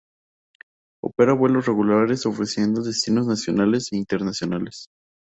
Opera vuelos regulares ofreciendo destinos nacionales e internacionales.